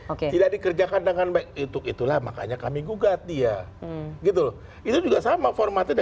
oke tidak dikerjakan dengan baik untuk itulah makanya kami gugat dia gitu itu juga sama formatnya